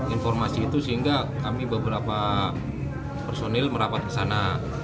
informasi itu sehingga kami beberapa personil merapat ke sana